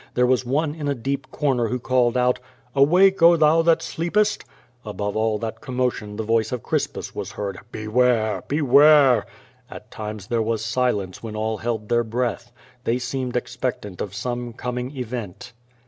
There was one in a dark corner who called out, "Awake, oh, thou that sleepest!'' Above all that commotion the voice of Crispus was heard, "Beware! beware!'^ At times there w^as silence when all held their breath. They seemed expectant of some coming event.